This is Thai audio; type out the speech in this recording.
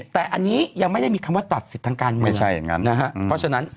แต่อันนี้ยังไม่ได้มีคำว่าตัดสิทธิ์ทางการเมือง